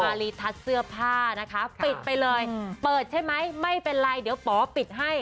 รีทัศน์เสื้อผ้านะคะปิดไปเลยเปิดใช่ไหมไม่เป็นไรเดี๋ยวป๋อปิดให้